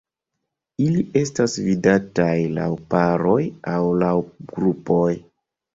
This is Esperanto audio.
Ili estas vidataj laŭ paroj aŭ laŭ grupoj.